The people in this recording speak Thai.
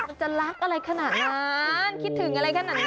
มันจะรักอะไรขนาดนั้นคิดถึงอะไรขนาดนั้น